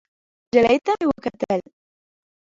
نجلۍ ته مې وکتل.